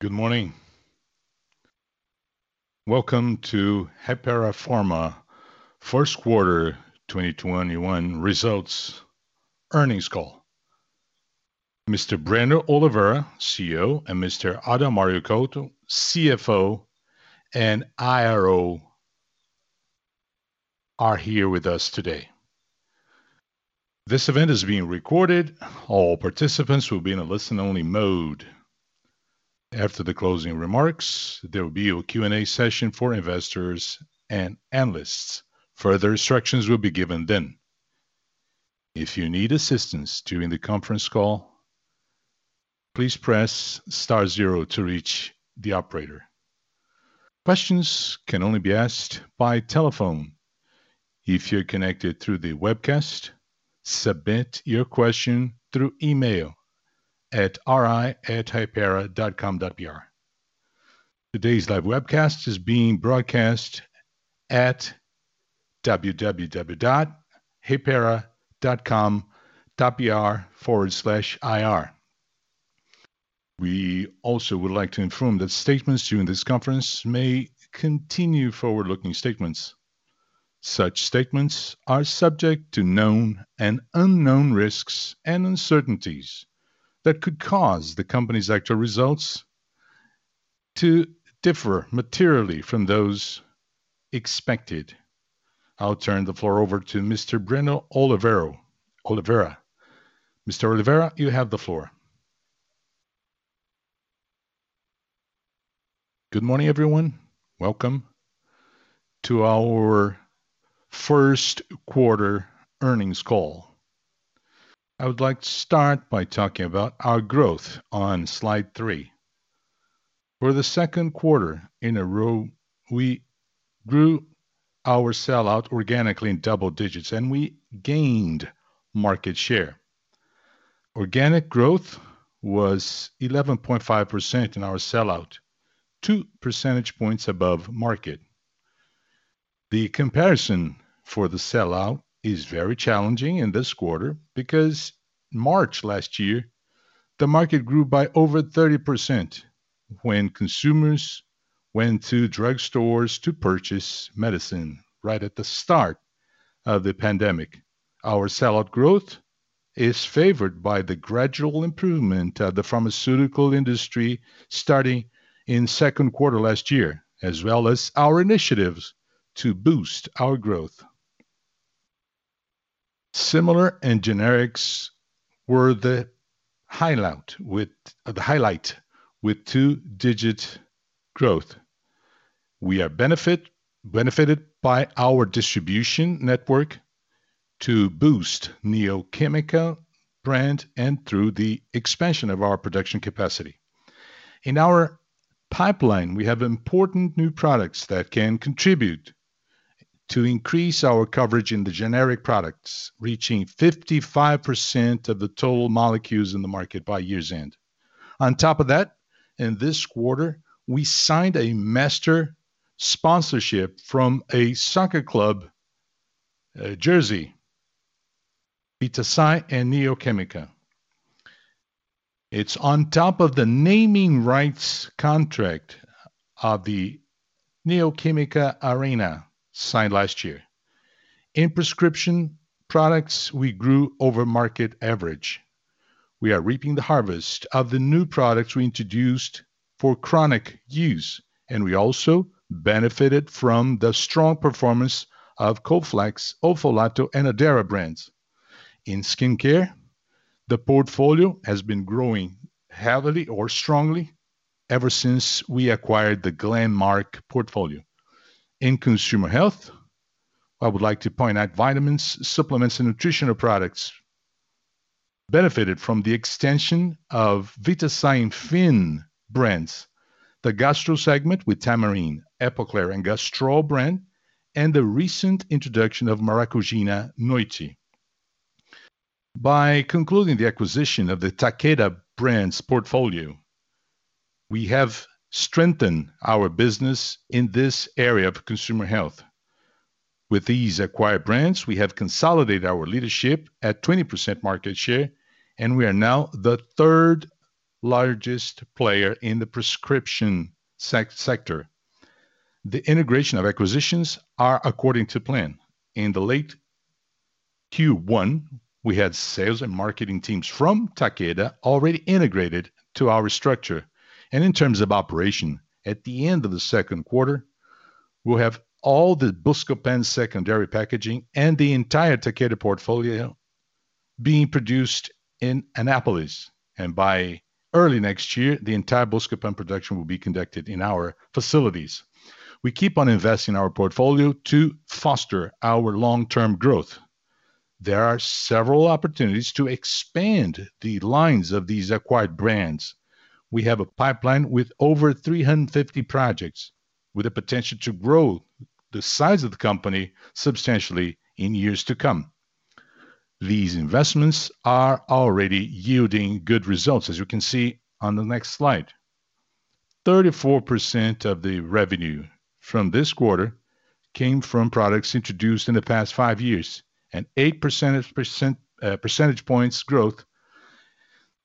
Good morning. Welcome to Hypera Pharma first quarter 2021 results earnings call. Mr. Breno Oliveira, CEO, and Mr. Adalmario Couto, CFO and IRO, are here with us today. This event is being recorded. All participants will be in a listen-only mode. After the closing remarks, there will be a Q&A session for investors and analysts. Further instructions will be given then. If you need assistance during the conference call, please press star zero to reach the operator. Questions can only be asked by telephone. If you're connected through the webcast, submit your question through email at ir@hypera.com.br. Today's live webcast is being broadcast at ri.hypera.com.br/ir/. We also would like to inform that statements during this conference may contain forward-looking statements. Such statements are subject to known and unknown risks and uncertainties that could cause the company's actual results to differ materially from those expected. I'll turn the floor over to Mr. Breno Oliveira. Mr. Oliveira, you have the floor. Good morning, everyone. Welcome to our first quarter earnings call. I would like to start by talking about our growth on slide three. For the second quarter in a row, we grew our sellout organically in double digits, and we gained market share. Organic growth was 11.5% in our sellout, 2 percentage points above market. The comparison for the sellout is very challenging in this quarter because March last year, the market grew by over 30% when consumers went to drugstores to purchase medicine right at the start of the pandemic. Our sellout growth is favored by the gradual improvement of the pharmaceutical industry starting in second quarter last year, as well as our initiatives to boost our growth. Similar and generics were the highlight with two-digit growth. We are benefited by our distribution network to boost Neo Química brand and through the expansion of our production capacity. In our pipeline, we have important new products that can contribute to increase our coverage in the generic products, reaching 55% of the total molecules in the market by year's end. On top of that, in this quarter, we signed a master sponsorship from a soccer club jersey, Vitasay and Neo Química. It's on top of the naming rights contract of the Neo Química Arena signed last year. In prescription products, we grew over market average. We are reaping the harvest of the new products we introduced for chronic use, and we also benefited from the strong performance of Colflex, Ofolato, and Addera brands. In skincare, the portfolio has been growing heavily or strongly ever since we acquired the Glenmark portfolio. In consumer health, I would like to point out vitamins, supplements, and nutritional products benefited from the extension of Vitasay Fin brands, the gastro segment with Tamarine, Epocler, and Gastrol brand, and the recent introduction of Maracugina Noite. By concluding the acquisition of the Takeda brands portfolio, we have strengthened our business in this area of consumer health. With these acquired brands, we have consolidated our leadership at 20% market share, we are now the third largest player in the prescription sector. The integration of acquisitions are according to plan. In the late Q1, we had sales and marketing teams from Takeda already integrated to our structure. In terms of operation, at the end of the second quarter, we'll have all the Buscopan secondary packaging and the entire Takeda portfolio being produced in Anápolis. By early next year, the entire Buscopan production will be conducted in our facilities. We keep on investing in our portfolio to foster our long-term growth. There are several opportunities to expand the lines of these acquired brands. We have a pipeline with over 350 projects with the potential to grow the size of the company substantially in years to come. These investments are already yielding good results, as you can see on the next slide. 34% of the revenue from this quarter came from products introduced in the past five years, and eight percentage points growth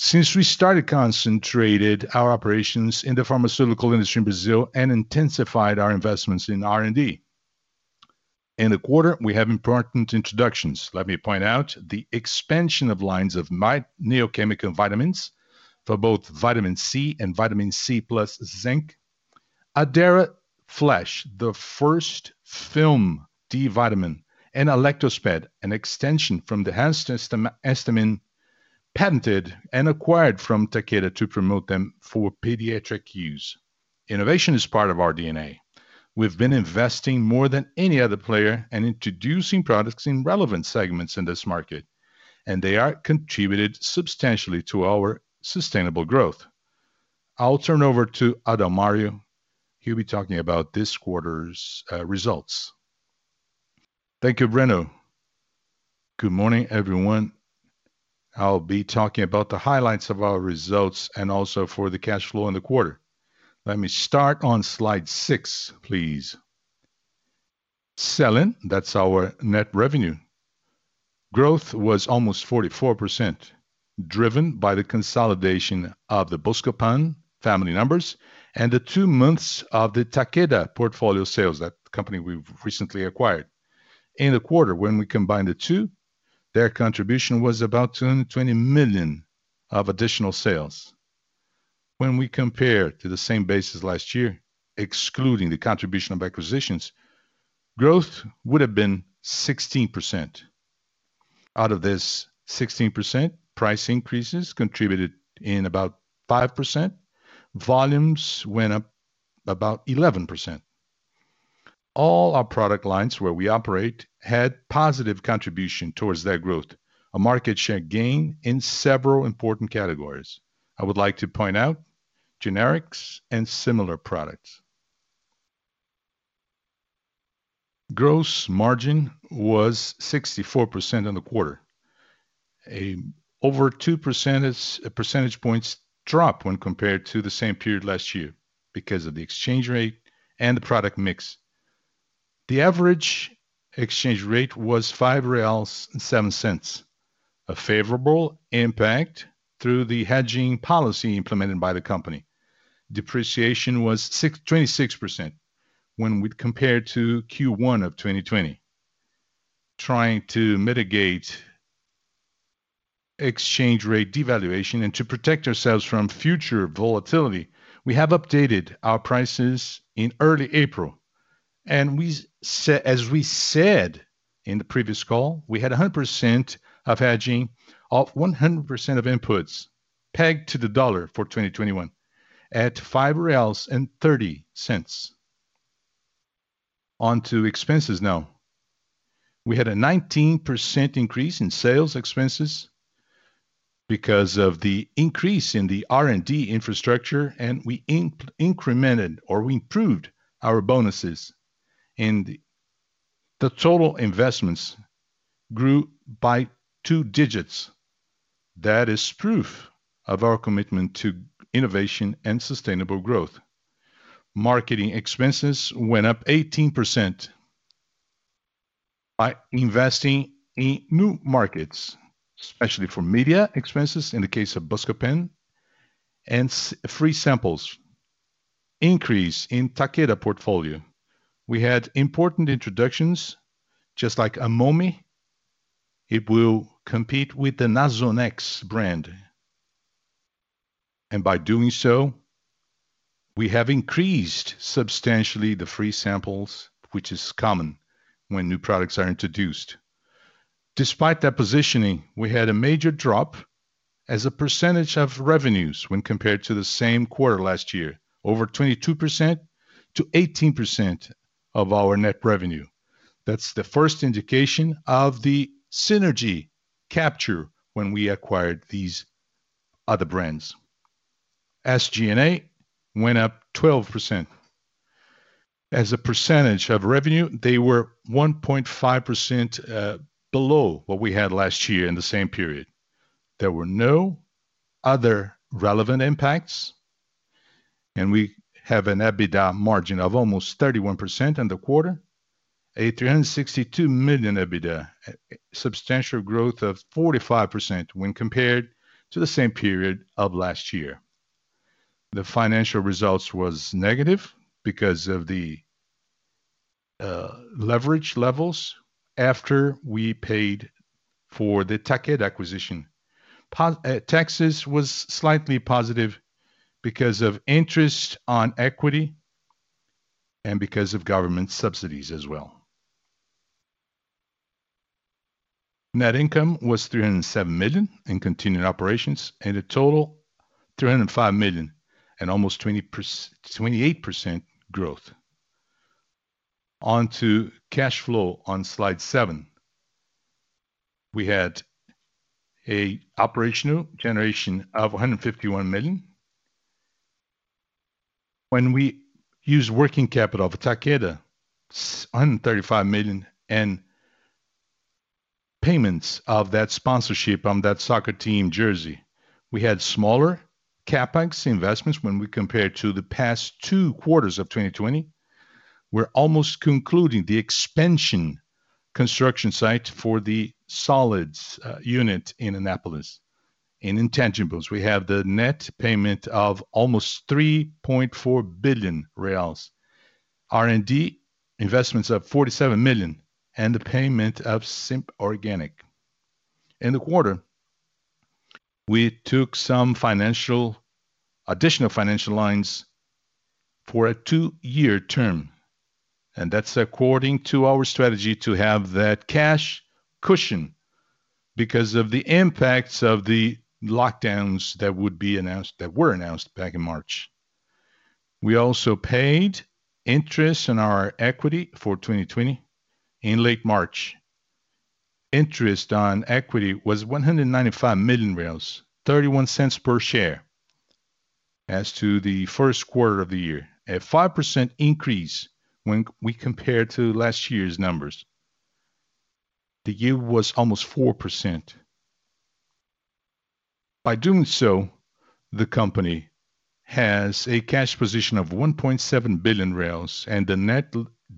since we started concentrated our operations in the pharmaceutical industry in Brazil and intensified our investments in R&D. In the quarter, we have important introductions. Let me point out the expansion of lines of Neo Química vitamins for both vitamin C and vitamin C plus zinc. Addera Flash, the first film D vitamin, and Alektos Ped, an extension from the antihistamine, patented and acquired from Takeda to promote them for pediatric use. Innovation is part of our DNA. We've been investing more than any other player and introducing products in relevant segments in this market, and they are contributed substantially to our sustainable growth. I'll turn over to Adalmario. He'll be talking about this quarter's results. Thank you, Breno. Good morning, everyone. I'll be talking about the highlights of our results and also for the cash flow in the quarter. Let me start on slide six, please. Selling, that's our net revenue. Growth was almost 44%, driven by the consolidation of the Buscopan family numbers and the two months of the Takeda portfolio sales, that company we've recently acquired. In the quarter, when we combined the two, their contribution was about 220 million of additional sales. When we compare to the same basis last year, excluding the contribution of acquisitions, growth would've been 16%. Out of this 16%, price increases contributed in about 5%. Volumes went up about 11%. All our product lines where we operate had positive contribution towards that growth, a market share gain in several important categories. I would like to point out generics and similar products. Gross margin was 64% in the quarter. An over 2% percentage points drop when compared to the same period last year because of the exchange rate and the product mix. The average exchange rate was 5.07 reais, a favorable impact through the hedging policy implemented by the company. Depreciation was 26% when we compare to Q1 of 2020. Trying to mitigate exchange rate devaluation and to protect ourselves from future volatility, we have updated our prices in early April. As we said in the previous call, we had 100% of hedging of 100% of inputs pegged to the USD for 2021 at 5.30 reais. On to expenses now. We had a 19% increase in sales expenses because of the increase in the R&D infrastructure, and we incremented our bonuses, and the total investments grew by two digits. That is proof of our commitment to innovation and sustainable growth. Marketing expenses went up 18% by investing in new markets, especially for media expenses in the case of Buscopan and free samples increase in Takeda portfolio. We had important introductions just like Amome. It will compete with the Nasonex brand. By doing so, we have increased substantially the free samples, which is common when new products are introduced. Despite that positioning, we had a major drop as a percentage of revenues when compared to the same quarter last year, over 22% to 18% of our net revenue. That's the first indication of the synergy capture when we acquired these other brands. SG&A went up 12%. As a percentage of revenue, they were 1.5% below what we had last year in the same period. There were no other relevant impacts. We have an EBITDA margin of almost 31% in the quarter, a 362 million EBITDA, a substantial growth of 45% when compared to the same period of last year. The financial results was negative because of the leverage levels after we paid for the Takeda acquisition. Taxes was slightly positive because of interest on equity and because of government subsidies as well. Net income was 307 million in continuing operations, and a total 305 million and almost 28% growth. Cash flow on slide seven. We had a operational generation of 151 million. We use working capital of Takeda, 135 million and payments of that sponsorship on that soccer team jersey. We had smaller CapEx investments when we compare to the past two quarters of 2020. We're almost concluding the expansion construction site for the solids unit in Anápolis. Intangibles, we have the net payment of almost 3.4 billion reais. R&D investments of 47 million, and the payment of Simple Organic. In the quarter, we took some additional financial lines for a two-year term, and that's according to our strategy to have that cash cushion because of the impacts of the lockdowns that were announced back in March. We also paid interest on our equity for 2020 in late March. Interest on equity was 195 million, 0.31 per share as to the first quarter of the year. A 5% increase when we compare to last year's numbers. The year was almost 4%. By doing so, the company has a cash position of 1.7 billion and the net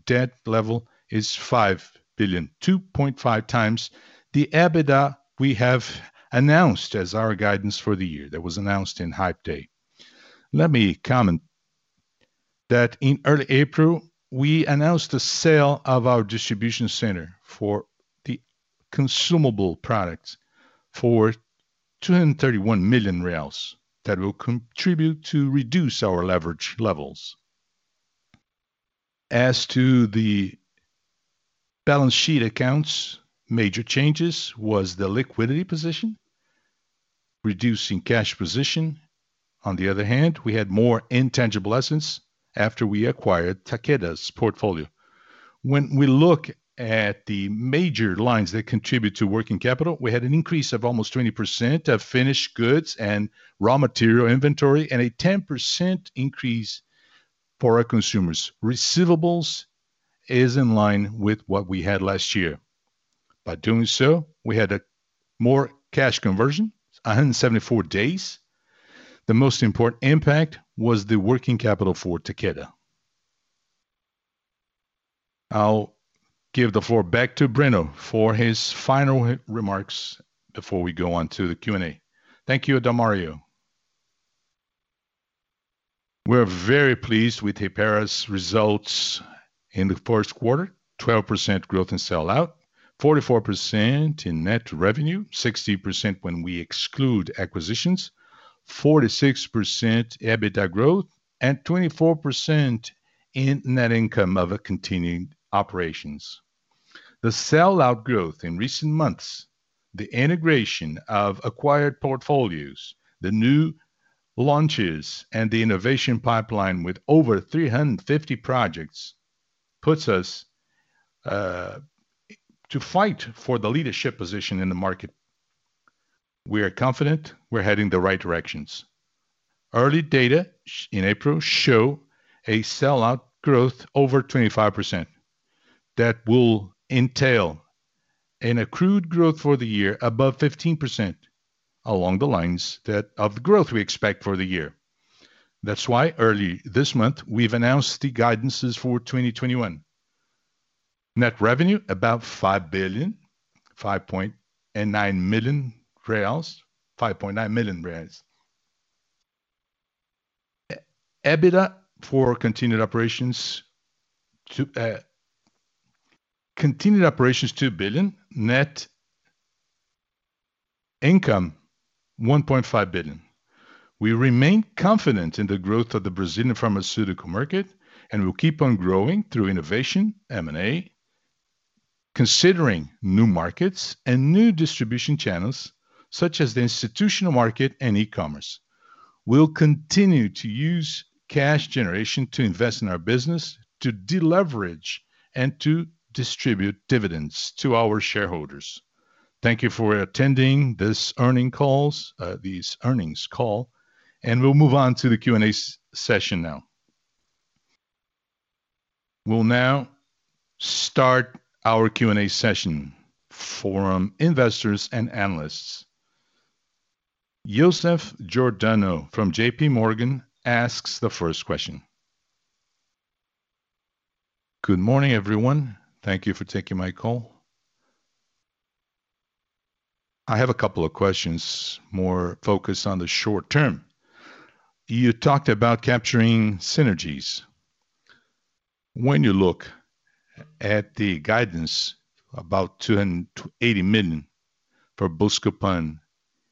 debt level is 5 billion, 2.5x the EBITDA we have announced as our guidance for the year. That was announced in Hype Day. Let me comment that in early April, we announced the sale of our distribution center for the consumable products for 231 million reais. That will contribute to reduce our leverage levels. As to the balance sheet accounts, major changes was the liquidity position, reducing cash position. On the other hand, we had more intangible assets after we acquired Takeda's portfolio. When we look at the major lines that contribute to working capital, we had an increase of almost 20% of finished goods and raw material inventory, and a 10% increase for our consumers. Receivables is in line with what we had last year. By doing so, we had more cash conversion, 174 days. The most important impact was the working capital for Takeda. I'll give the floor back to Breno for his final remarks before we go on to the Q&A. Thank you, Adalmario. We're very pleased with Hypera's results in the first quarter. 12% growth in sell-out, 44% in net revenue, 60% when we exclude acquisitions, 46% EBITDA growth, and 24% in net income of our continuing operations. The sell-out growth in recent months, the integration of acquired portfolios, the new launches, and the innovation pipeline with over 350 projects puts us to fight for the leadership position in the market. We are confident we're heading the right directions. Early data in April show a sell-out growth over 25%. That will entail an accrued growth for the year above 15%, along the lines of the growth we expect for the year. That's why early this month, we've announced the guidances for 2021. Net revenue, about BRL 5.9 million. EBITDA for continued operations, 2 billion. Net income, 1.5 billion. We remain confident in the growth of the Brazilian pharmaceutical market and will keep on growing through innovation, M&A, considering new markets and new distribution channels, such as the institutional market and e-commerce. We'll continue to use cash generation to invest in our business, to deleverage, and to distribute dividends to our shareholders. Thank you for attending this earnings call. We'll move on to the Q&A session now. We'll now start our Q&A session for investors and analysts. Joseph Giordano from JPMorgan asks the first question. Good morning, everyone. Thank you for taking my call. I have a couple of questions, more focused on the short term. You talked about capturing synergies. When you look at the guidance about 280 million for Buscopan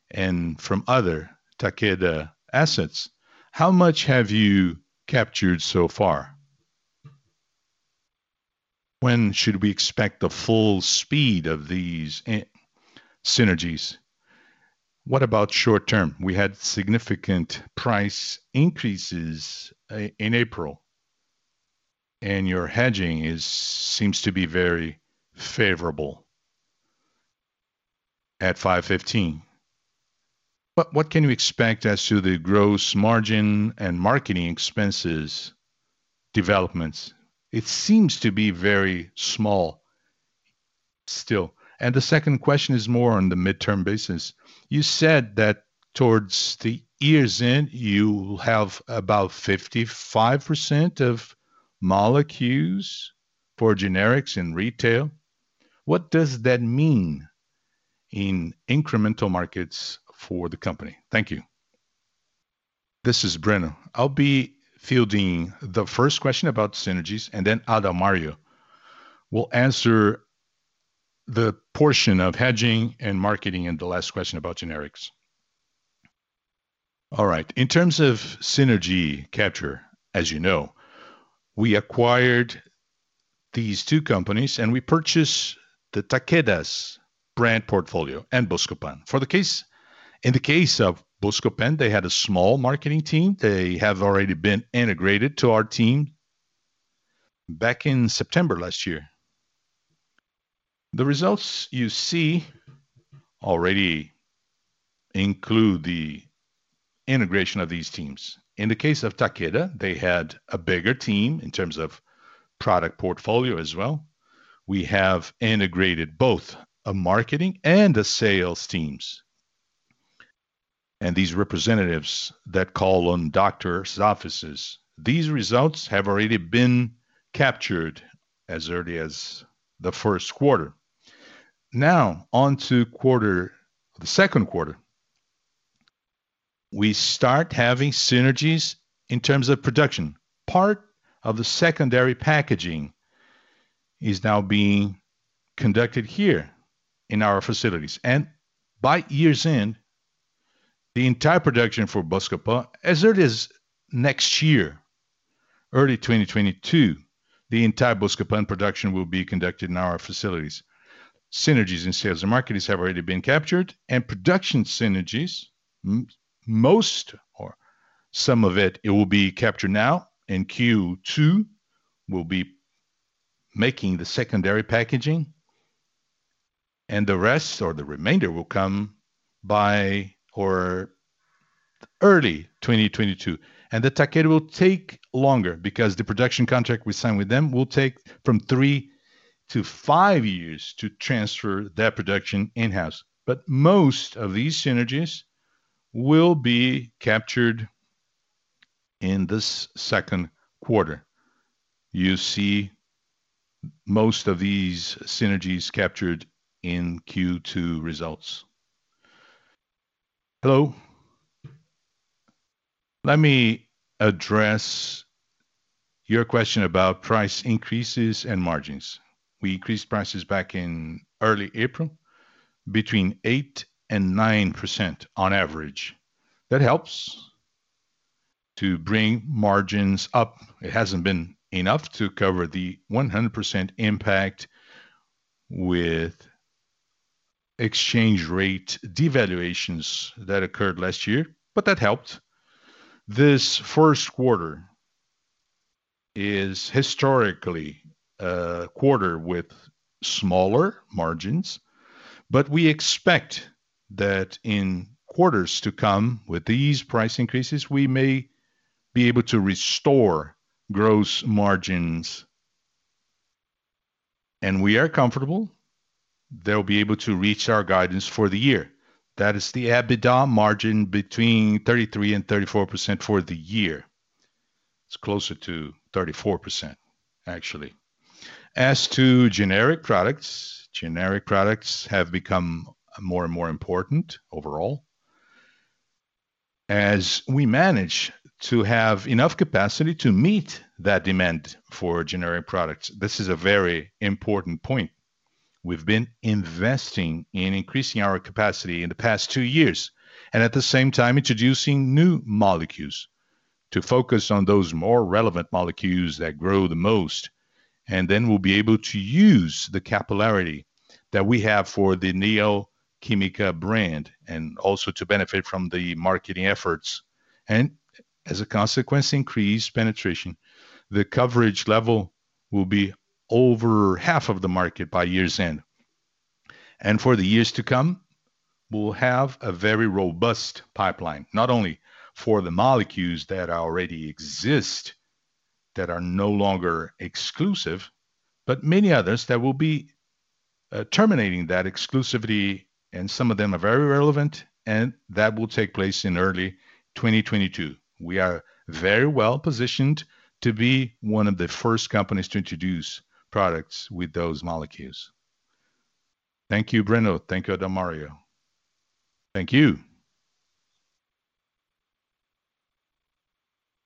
and from other Takeda assets, how much have you captured so far? When should we expect the full speed of these synergies? What about short term? We had significant price increases in April, your hedging seems to be very favorable at 5.15. What can you expect as to the gross margin and marketing expenses developments? It seems to be very small still. The second question is more on the midterm basis. You said that towards the year's end, you have about 55% of molecules for generics in retail. What does that mean in incremental markets for the company? Thank you. This is Breno. I'll be fielding the first question about synergies, then Adalmario will answer the portion of hedging and marketing and the last question about generics. All right. In terms of synergy capture, as you know, we acquired these two companies, we purchased the Takeda's brand portfolio and Buscopan. In the case of Buscopan, they had a small marketing team. They have already been integrated to our team back in September last year. The results you see already include the integration of these teams. In the case of Takeda, they had a bigger team in terms of product portfolio as well. We have integrated both a marketing and the sales teams, and these representatives that call on doctors' offices. These results have already been captured as early as the first quarter. On to the second quarter. We start having synergies in terms of production. Part of the secondary packaging is now being conducted here in our facilities. By year's end, the entire production for Buscopan, as early as next year, early 2022, the entire Buscopan production will be conducted in our facilities. Synergies in sales and marketing have already been captured, and production synergies, most or some of it will be captured now, and Q2 will be making the secondary packaging, and the rest or the remainder will come by or early 2022. The Takeda will take longer because the production contract we signed with them will take from three-five years to transfer that production in-house. Most of these synergies will be captured in this second quarter. You see most of these synergies captured in Q2 results. Hello. Let me address your question about price increases and margins. We increased prices back in early April between 8 and 9% on average. That helps to bring margins up. It hasn't been enough to cover the 100% impact with exchange rate devaluations that occurred last year. That helped. This first quarter is historically a quarter with smaller margins, but we expect that in quarters to come, with these price increases, we may be able to restore gross margins. We are comfortable that we'll be able to reach our guidance for the year. That is the EBITDA margin between 33% and 34% for the year. It's closer to 34%, actually. As to generic products, generic products have become more and more important overall. As we manage to have enough capacity to meet that demand for generic products, this is a very important point. We've been investing in increasing our capacity in the past two years, and at the same time introducing new molecules to focus on those more relevant molecules that grow the most. We'll be able to use the capillarity that we have for the Neo Química brand, and also to benefit from the marketing efforts. As a consequence, increased penetration. The coverage level will be over half of the market by year's end. For the years to come, we'll have a very robust pipeline, not only for the molecules that already exist that are no longer exclusive, but many others that will be terminating that exclusivity, and some of them are very relevant, and that will take place in early 2022. We are very well positioned to be one of the first companies to introduce products with those molecules. Thank you, Breno. Thank you, Adalmario. Thank you.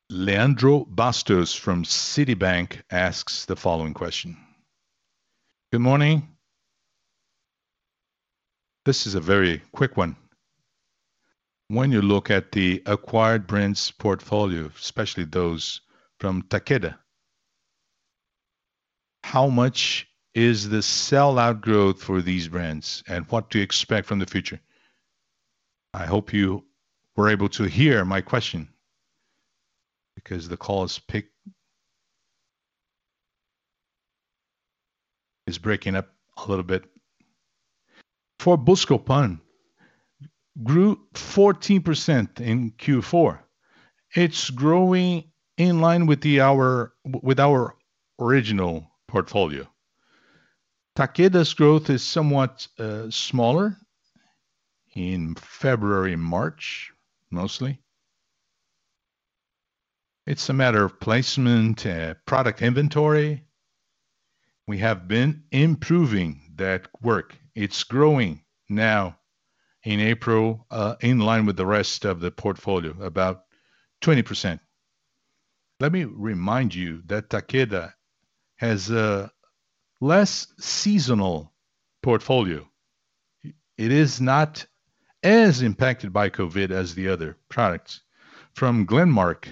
Leandro Bastos from Citibank asks the following question. Good morning. This is a very quick one. When you look at the acquired brands portfolio, especially those from Takeda, how much is the sell-out growth for these brands, and what to expect from the future?I hope you were able to hear my question because the call is It's breaking up a little bit. For Buscopan, grew 14% in Q4. It's growing in line with our original portfolio. Takeda's growth is somewhat smaller in February, March, mostly. It's a matter of placement, product inventory. We have been improving that work. It's growing now in April, in line with the rest of the portfolio, about 20%. Let me remind you that Takeda has a less seasonal portfolio. It is not as impacted by COVID as the other products from Glenmark.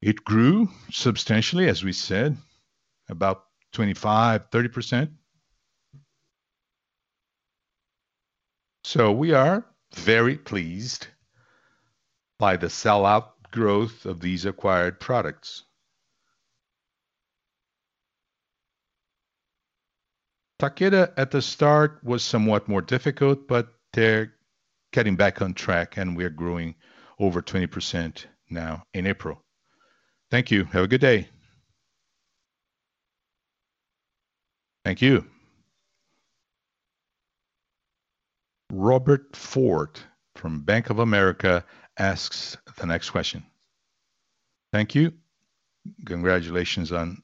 It grew substantially, as we said, about 25%-30%. We are very pleased by the sell-out growth of these acquired products. Takeda at the start was somewhat more difficult, they're getting back on track, we're growing over 20% now in April. Thank you. Have a good day. Thank you. Robert Ford from Bank of America asks the next question. Thank you. Congratulations on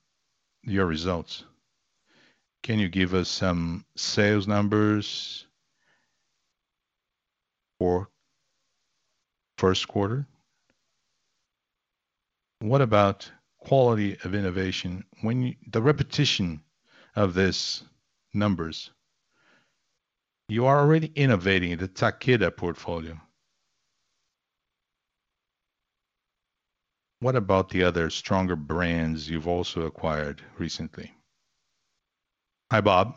your results. Can you give us some sales numbers for first quarter? What about quality of innovation? The repetition of these numbers. You are already innovating the Takeda portfolio. What about the other stronger brands you've also acquired recently? Hi, Bob.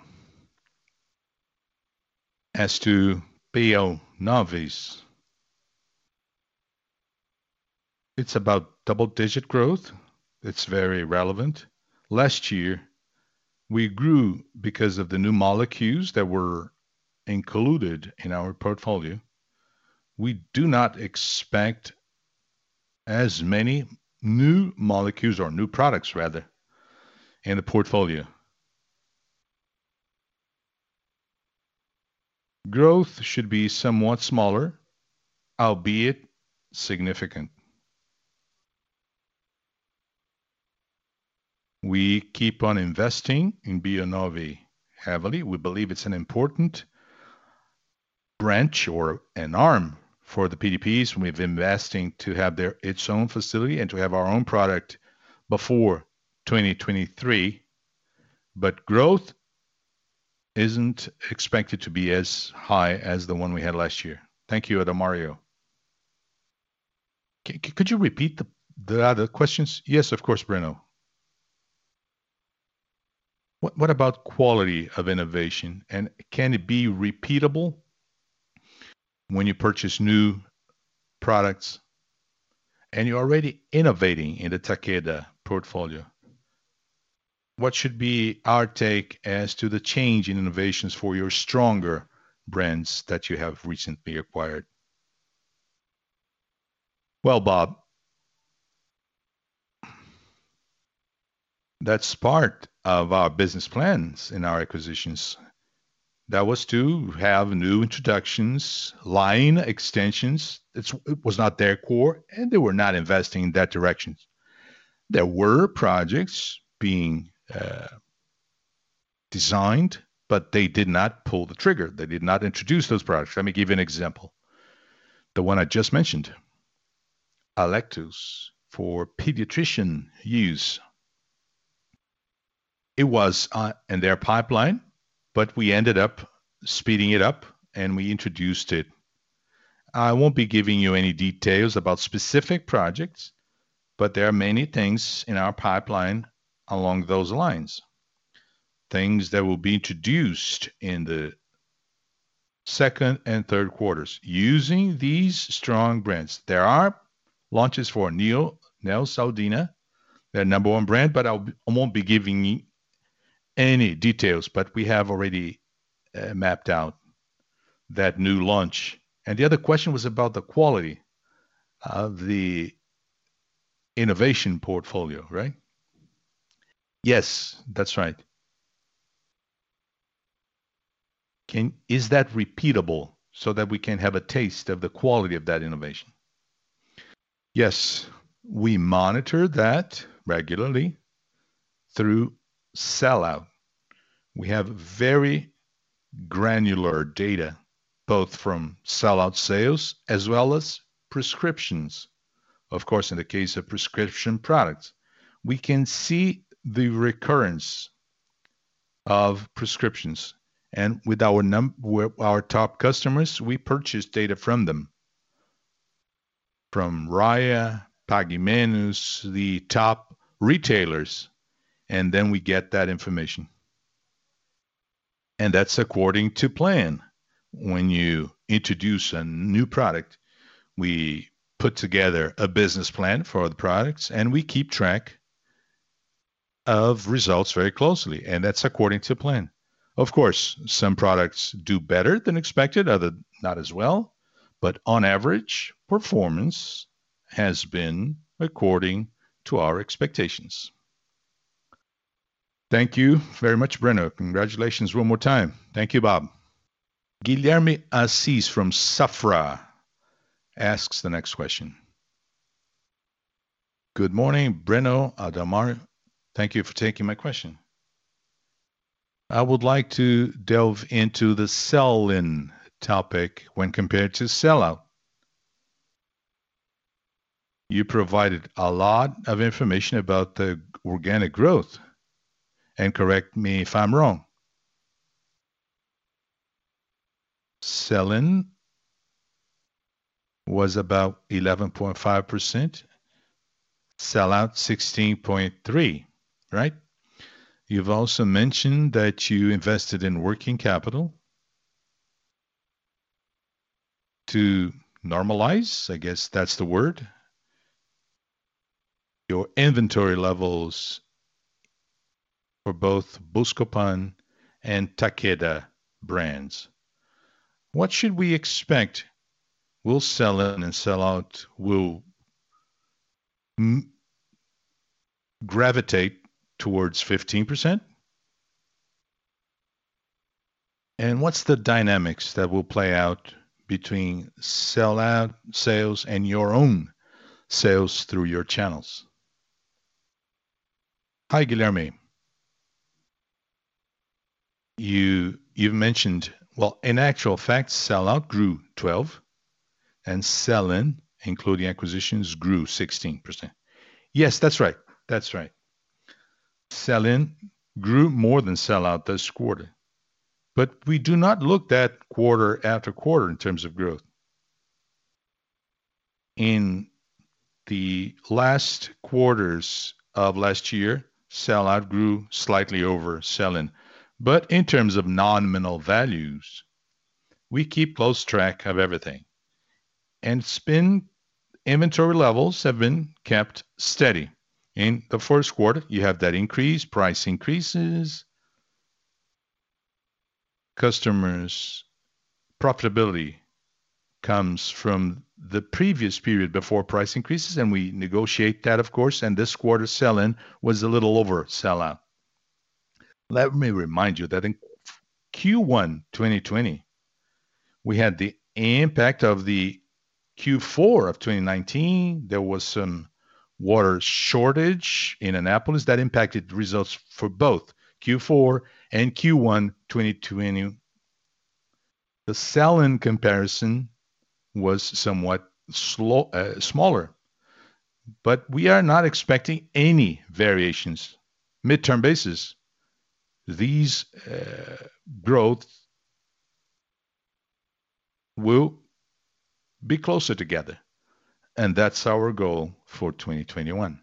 As to Bionovis, it's about double-digit growth. It's very relevant. Last year, we grew because of the new molecules that were included in our portfolio. We do not expect as many new molecules or new products, rather, in the portfolio. Growth should be somewhat smaller, albeit significant. We keep on investing in Bionovis heavily. We believe it's an important branch or an arm for the PDPs. We've been investing to have its own facility and to have our own product before 2023. Growth isn't expected to be as high as the one we had last year. Thank you, Adalmario. Could you repeat the other questions? Yes, of course, Breno. What about quality of innovation, and can it be repeatable when you purchase new products, and you're already innovating in the Takeda portfolio? What should be our take as to the change in innovations for your stronger brands that you have recently acquired? Well, Bob, that's part of our business plans in our acquisitions. That was to have new introductions, line extensions. It was not their core, and they were not investing in that direction. There were projects being designed, but they did not pull the trigger. They did not introduce those products. Let me give you an example. The one I just mentioned, Alektos for pediatrician use. It was in their pipeline, but we ended up speeding it up, and we introduced it. I won't be giving you any details about specific projects, but there are many things in our pipeline along those lines, things that will be introduced in the second and third quarters using these strong brands. There are launches for Neosaldina, their number one brand, but I won't be giving any details. We have already mapped out that new launch. The other question was about the quality of the innovation portfolio, right? Yes, that's right. Is that repeatable so that we can have a taste of the quality of that innovation? Yes. We monitor that regularly through sell-out. We have very granular data both from sell-out sales as well as prescriptions. Of course, in the case of prescription products, we can see the recurrence of prescriptions. With our top customers, we purchase data from them, from Raia, Pague Menos, the top retailers, then we get that information. That's according to plan. When you introduce a new product, we put together a business plan for the products, we keep track of results very closely, that's according to plan. Of course, some products do better than expected, other not as well, but on average, performance has been according to our expectations. Thank you very much, Breno. Congratulations one more time. Thank you, Bob. Guilherme Assis from Safra asks the next question. Good morning, Breno, Adalmario. Thank you for taking my question. I would like to delve into the sell-in topic when compared to sell-out. You provided a lot of information about the organic growth, correct me if I'm wrong, sell-in was about 11.5%, sell-out 16.3%, right? You've also mentioned that you invested in working capital to normalize, I guess that's the word, your inventory levels for both Buscopan and Takeda brands. What should we expect? Will sell-in and sell-out gravitate towards 15%? What's the dynamics that will play out between sell-out sales and your own sales through your channels? Hi, Guilherme. You've mentioned, well, in actual fact, sell-out grew 12% sell-in, including acquisitions, grew 16%. Yes, that's right. Sell-in grew more than sell-out this quarter, we do not look that quarter after quarter in terms of growth. In the last quarters of last year, sell-out grew slightly over sell-in. In terms of nominal values, we keep close track of everything. Inventory levels have been kept steady. In the first quarter, you have that increase, price increases. Customers' profitability comes from the previous period before price increases. We negotiate that, of course. This quarter sell in was a little over sellout. Let me remind you that in Q1 2020, we had the impact of the Q4 of 2019. There was some water shortage in Anápolis that impacted results for both Q4 and Q1 2020. The sell in comparison was somewhat smaller. We are not expecting any variations mid-term basis. These growth will be closer together. That's our goal for 2021.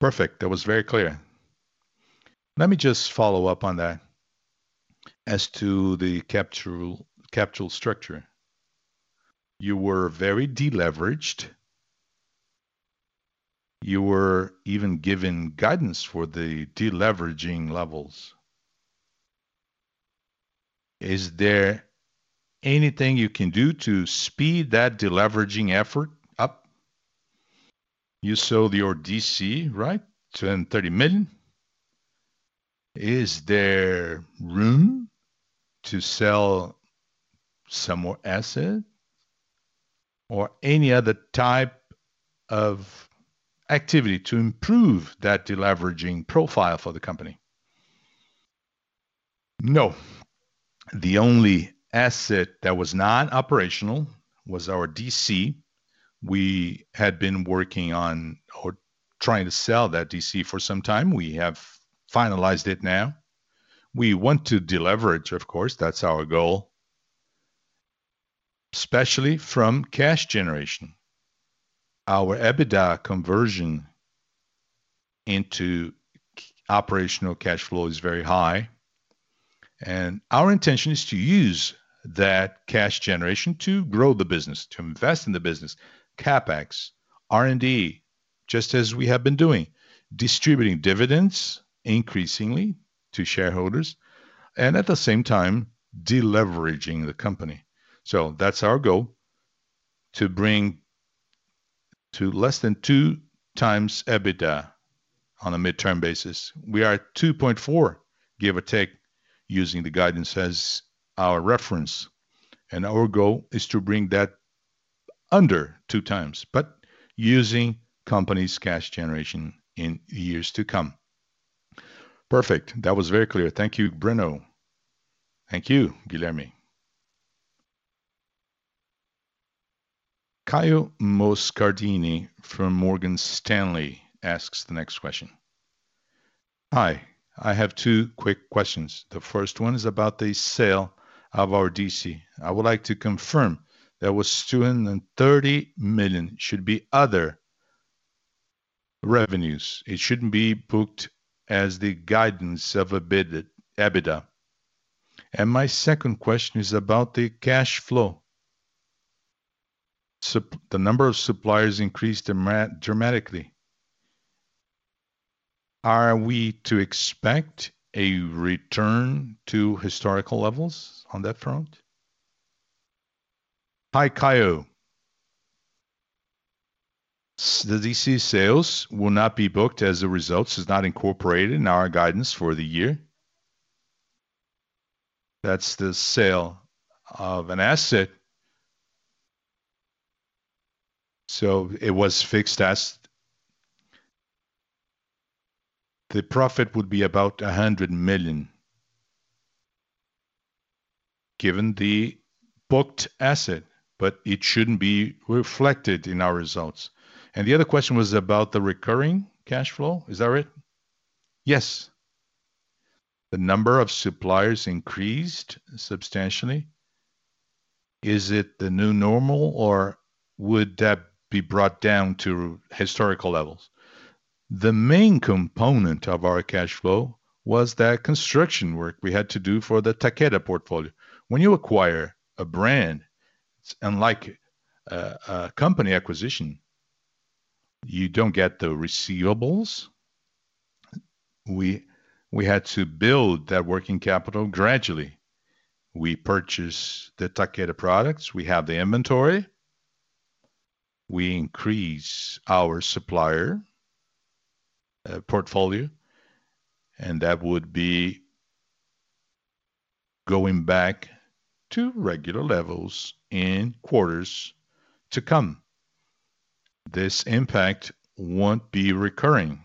Perfect. That was very clear. Let me just follow up on that. As to the capital structure, you were very de-leveraged. You were even given guidance for the de-leveraging levels. Is there anything you can do to speed that de-leveraging effort up? You sold your DC, right? 230 million. Is there room to sell some more asset or any other type of activity to improve that de-leveraging profile for the company? No. The only asset that was non-operational was our DC. We had been working on or trying to sell that DC for some time. We have finalized it now. We want to de-leverage, of course. That's our goal, especially from cash generation. Our EBITDA conversion into operational cash flow is very high, and our intention is to use that cash generation to grow the business, to invest in the business, CapEx, R&D, just as we have been doing, distributing dividends increasingly to shareholders, and at the same time, de-leveraging the company. That's our goal, to bring to less than 2x EBITDA on a midterm basis. We are at 2.4x, give or take, using the guidance as our reference. Our goal is to bring that under 2x, but using company's cash generation in years to come. Perfect. That was very clear. Thank you, Breno. Thank you, Guilherme. Caio Moscardini from Morgan Stanley asks the next question. Hi. I have two quick questions. The first one is about the sale of our DC. I would like to confirm that was 230 million should be other-revenues. It shouldn't be booked as the guidance of EBITDA. My second question is about the cash flow. The number of suppliers increased dramatically. Are we to expect a return to historical levels on that front? Hi, Caio. The DC sales will not be booked as the results. It's not incorporated in our guidance for the year. That's the sale of an asset. The profit would be about 100 million given the booked asset, but it shouldn't be reflected in our results. The other question was about the recurring cash flow. Is that right? Yes. The number of suppliers increased substantially. Is it the new normal, or would that be brought down to historical levels? The main component of our cash flow was that construction work we had to do for the Takeda portfolio. When you acquire a brand, it's unlike a company acquisition. You don't get the receivables. We had to build that working capital gradually. We purchase the Takeda products. We have the inventory. We increase our supplier portfolio. That would be going back to regular levels in quarters to come. This impact won't be recurring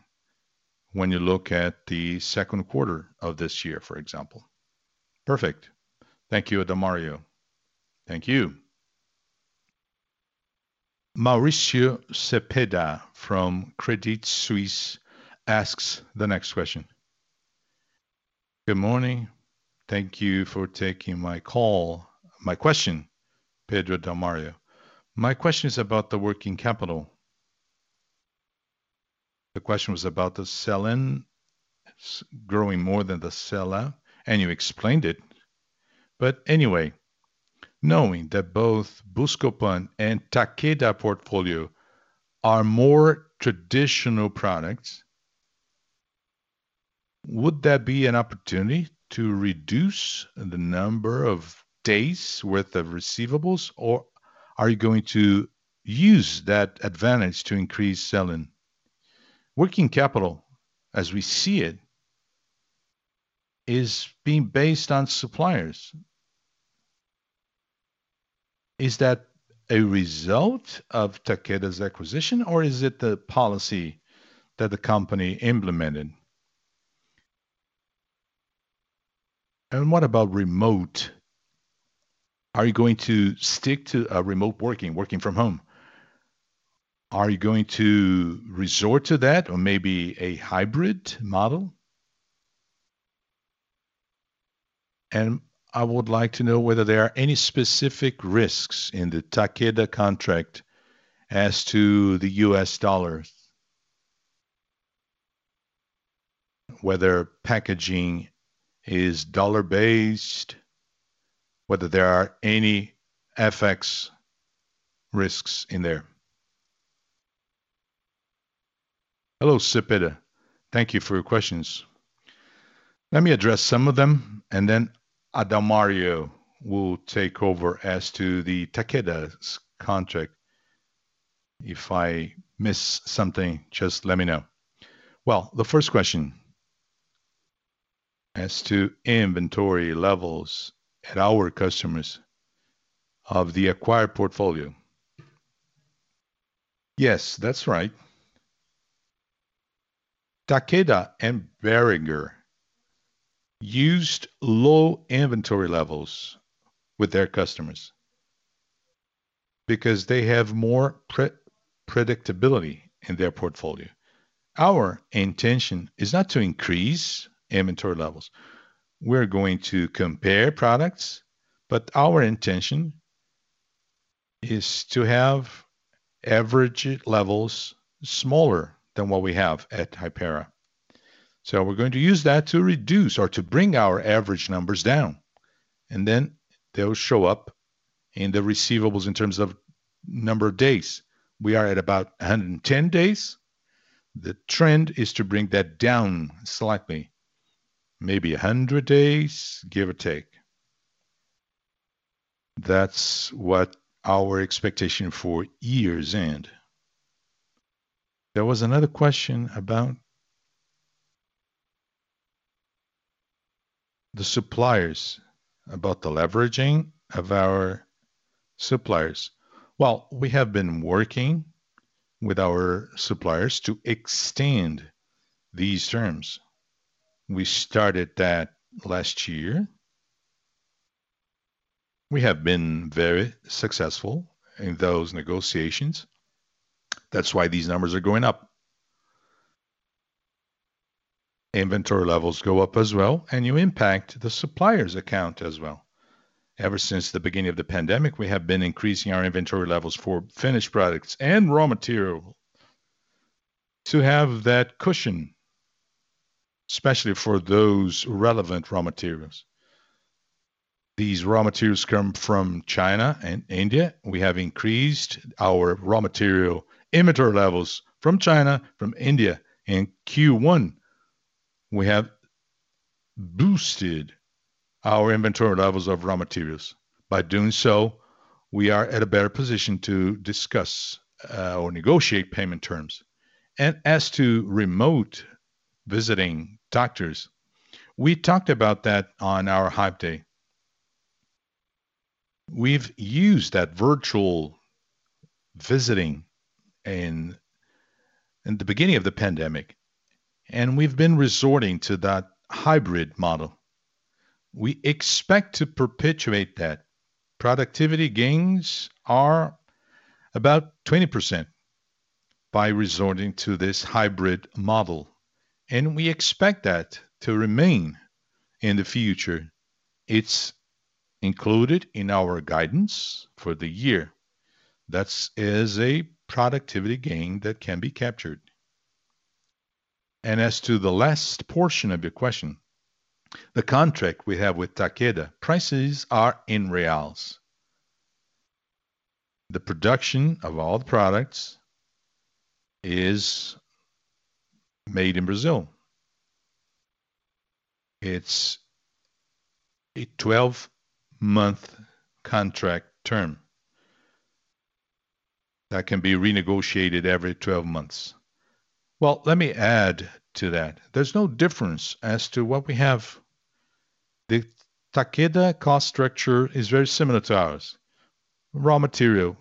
when you look at the second quarter of this year, for example. Perfect. Thank you, Adalmario. Thank you. Mauricio Cepeda from Credit Suisse asks the next question. Good morning. Thank you for taking my question, Breno, Adalmario. My question is about the working capital. The question was about the sell-in growing more than the sell-out, and you explained it. Anyway, knowing that both Buscopan and Takeda portfolio are more traditional products, would that be an opportunity to reduce the number of days worth of receivables, or are you going to use that advantage to increase sell-in? Working capital, as we see it, is being based on suppliers. Is that a result of Takeda's acquisition, or is it the policy that the company implemented? What about remote? Are you going to stick to remote working from home? Are you going to resort to that or maybe a hybrid model? I would like to know whether there are any specific risks in the Takeda contract as to the US dollar. Whether packaging is USD-based, whether there are any FX risks in there. Hello, Cepeda. Thank you for your questions. Let me address some of them, and then Adalmario will take over as to the Takeda contract. If I miss something, just let me know. Well, the first question as to inventory levels at our customers of the acquired portfolio. Yes, that's right. Takeda and Boehringer used low inventory levels with their customers because they have more predictability in their portfolio. Our intention is not to increase inventory levels. We're going to compare products, but our intention is to have average levels smaller than what we have at Hypera. We're going to use that to reduce or to bring our average numbers down, and then they'll show up in the receivables in terms of number of days. We are at about 110 days. The trend is to bring that down slightly, maybe 100 days, give or take. That's what our expectation for year's end. There was another question about the suppliers, about the leveraging of our suppliers. Well, we have been working with our suppliers to extend these terms. We started that last year. We have been very successful in those negotiations. That's why these numbers are going up. Inventory levels go up as well, and you impact the supplier's account as well. Ever since the beginning of the pandemic, we have been increasing our inventory levels for finished products and raw material to have that cushion, especially for those relevant raw materials. These raw materials come from China and India. We have increased our raw material inventory levels from China, from India. In Q1, we have boosted our inventory levels of raw materials. By doing so, we are at a better position to discuss or negotiate payment terms. As to remote visiting doctors, we talked about that on our Hype Day. We've used that virtual visiting in the beginning of the pandemic, and we've been resorting to that hybrid model. We expect to perpetuate that. Productivity gains are about 20% by resorting to this hybrid model, and we expect that to remain in the future. It's included in our guidance for the year. That is a productivity gain that can be captured. As to the last portion of your question, the contract we have with Takeda, prices are in BRL. The production of all the products is made in Brazil. It's a 12-month contract term that can be renegotiated every 12 months. Well, let me add to that. There's no difference as to what we have. The Takeda cost structure is very similar to ours. Raw material,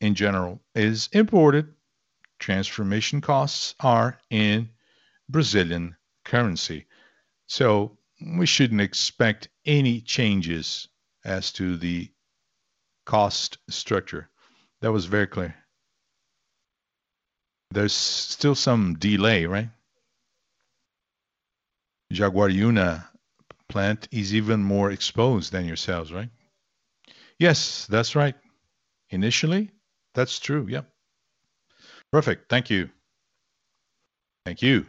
in general, is imported. Transformation costs are in Brazilian currency. We shouldn't expect any changes as to the cost structure. That was very clear. There's still some delay, right? Jaguariúna plant is even more exposed than yourselves, right? Yes, that's right. Yep. Perfect. Thank you. Thank you.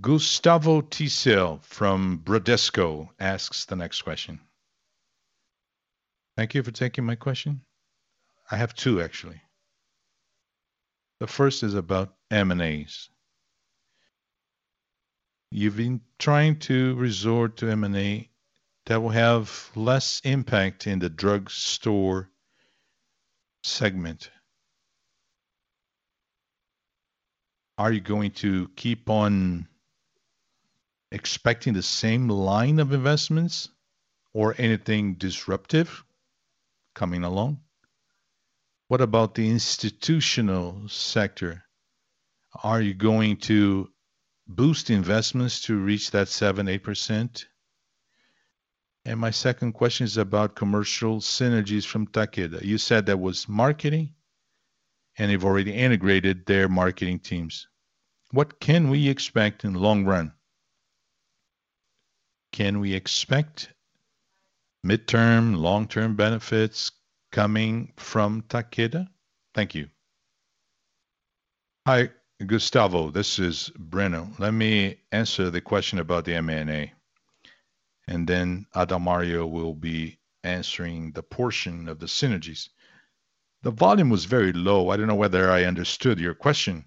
Gustavo Tiseo from Bradesco asks the next question. Thank you for taking my question. I have two, actually. The first is about M&As. You've been trying to resort to M&A that will have less impact in the drugstore segment. Are you going to keep on expecting the same line of investments or anything disruptive coming along? What about the institutional sector? Are you going to boost investments to reach that 7%-8%? My second question is about commercial synergies from Takeda. You said there was marketing, and you've already integrated their marketing teams. What can we expect in the long run? Can we expect midterm, long-term benefits coming from Takeda? Thank you. Hi, Gustavo Tiseo. This is Breno. Let me answer the question about the M&A, and then Adalmario will be answering the portion of the synergies. The volume was very low. I don't know whether I understood your question,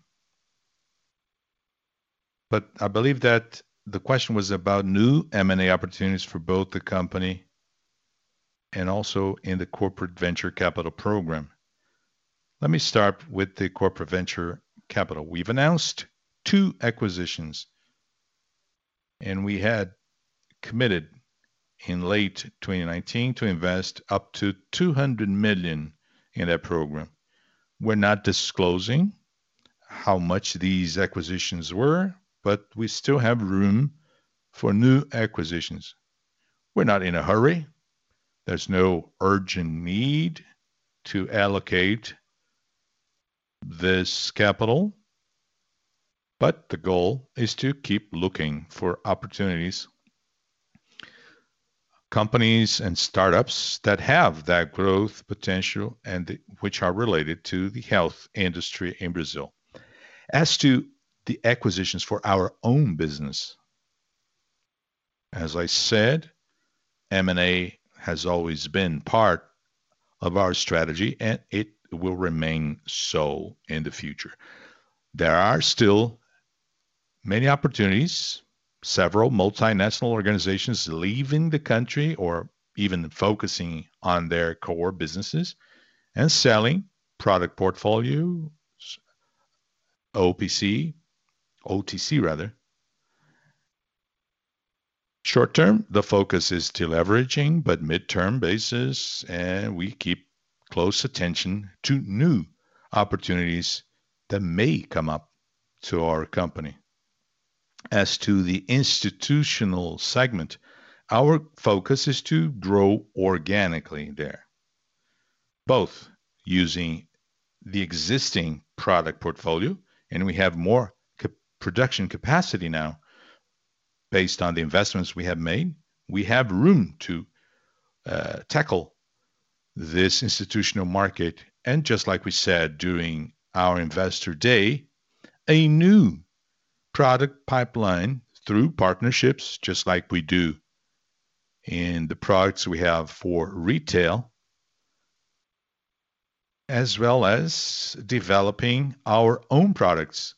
but I believe that the question was about new M&A opportunities for both the company and also in the corporate venture capital program. Let me start with the corporate venture capital. We've announced two acquisitions, and we had committed in late 2019 to invest up to 200 million in that program. We're not disclosing how much these acquisitions were, but we still have room for new acquisitions. We're not in a hurry. There's no urgent need to allocate this capital, but the goal is to keep looking for opportunities, companies and startups that have that growth potential and which are related to the health industry in Brazil. As to the acquisitions for our own business, as I said, M&A has always been part of our strategy, and it will remain so in the future. There are still many opportunities, several multinational organizations leaving the country or even focusing on their core businesses and selling product portfolios, OPC, OTC rather. Short term, the focus is deleveraging, midterm basis, we keep close attention to new opportunities that may come up to our company. As to the institutional segment, our focus is to grow organically there, both using the existing product portfolio, and we have more production capacity now based on the investments we have made. We have room to tackle this institutional market and just like we said during our Hype Day, a new product pipeline through partnerships, just like we do in the products we have for retail, as well as developing our own products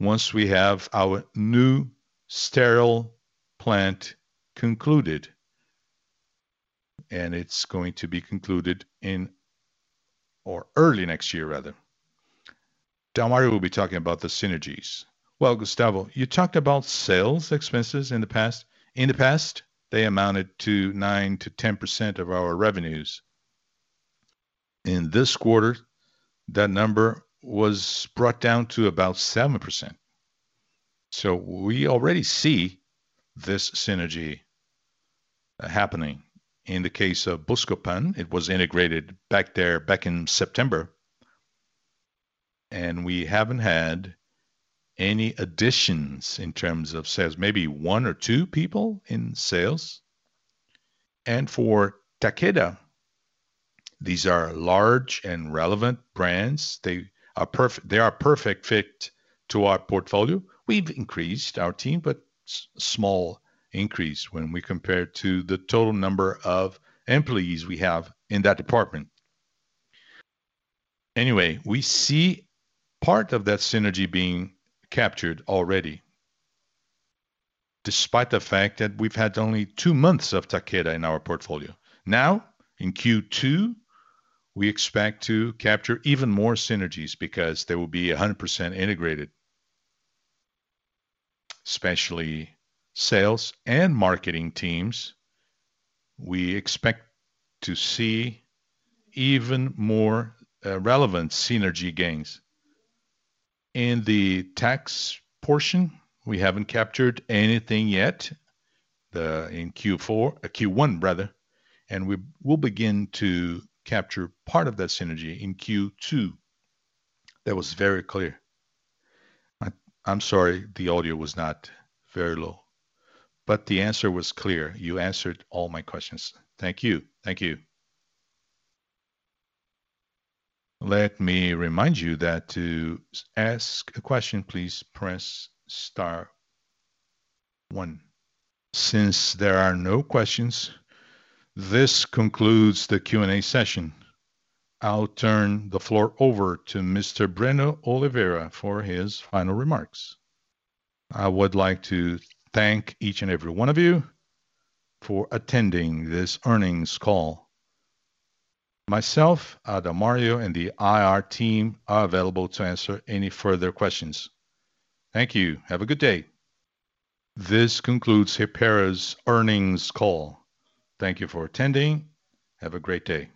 once we have our new sterile plant concluded, and it's going to be concluded in or early next year rather. Adalmario will be talking about the synergies. Well, Gustavo Tiseo, you talked about sales expenses in the past. In the past, they amounted to 9%-10% of our revenues. In this quarter, that number was brought down to about 7%. We already see this synergy happening. In the case of Buscopan, it was integrated back in September, and we haven't had any additions in terms of sales, maybe one or two people in sales. For Takeda, these are large and relevant brands. They are perfect fit to our portfolio. We've increased our team, but small increase when we compare it to the total number of employees we have in that department. Anyway, we see part of that synergy being captured already, despite the fact that we've had only two months of Takeda in our portfolio. Now, in Q2, we expect to capture even more synergies because they will be 100% integrated, especially sales and marketing teams. We expect to see even more relevant synergy gains. In the tax portion, we haven't captured anything yet in Q1 rather, and we will begin to capture part of that synergy in Q2. That was very clear. I'm sorry the audio was not very low, but the answer was clear. You answered all my questions. Thank you. Let me remind you that to ask a question, please press star one. Since there are no questions, this concludes the Q&A session. I'll turn the floor over to Mr. Breno Oliveira for his final remarks. I would like to thank each and every one of you for attending this earnings call. Myself, Adalmario, and the IR team are available to answer any further questions. Thank you. Have a good day. This concludes Hypera's earnings call. Thank you for attending. Have a great day.